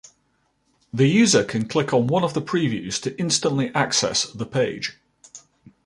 The user can click on one of the previews to instantly access the page.